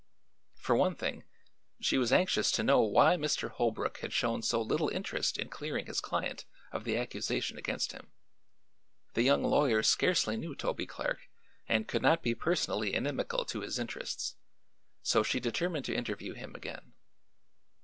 For one thing, she was anxious to know why Mr. Holbrook had shown so little interest in clearing his client of the accusation against him. The young lawyer scarcely knew Toby Clark and could not be personally inimical to his interests; so she determined to interview him again.